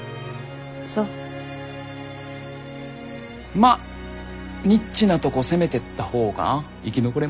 まあニッチなとこ攻めてった方が生き残れますから。